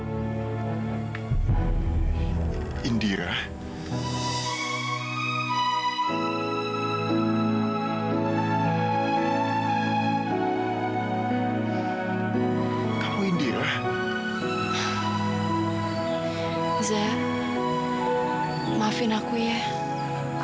aku sudah tidak bisa ada di samping kamu lagi